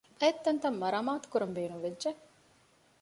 ބައެއް ތަންތަން މަރާމާތުކުރަން ބޭނުންވެއްޖެ